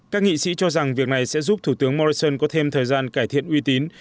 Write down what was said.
các nghị sĩ cho rằng việc này sẽ giúp thủ tướng morrison có thêm thời gian cải thiện uy tín